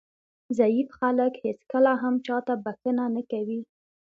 ضعیف خلک هېڅکله هم چاته بښنه نه کوي.